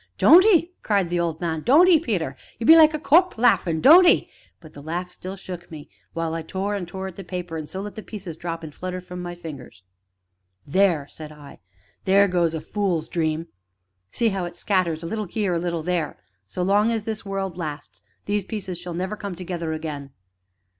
"Don't 'ee!" cried the old man; "don't 'ee, Peter you be like a corp' laughin'; don't 'ee!" But the laugh still shook me while I tore and tore at the paper, and so let the pieces drop and flutter from my fingers. "There!" said I, "there goes a fool's dream! See how it scatters a little here, a little there; but, so long as this world lasts, these pieces shall never come together again."